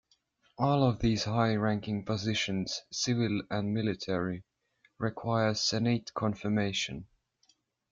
All of these high-ranking positions, civil and military, require Senate confirmation.